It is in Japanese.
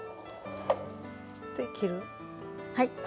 で切る？